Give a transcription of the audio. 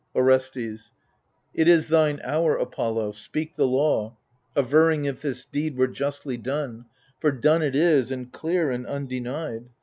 Orestes It is thine hour, Apollo— speak the law, Averring if this deed were justly done ; For done it is, and clear and undenied.